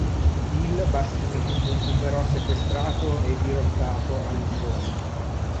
Il bastimento fu però sequestrato e dirottato a Lisbona.